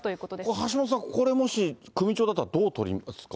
橋下さん、これもし、首長だったらどう取りますか？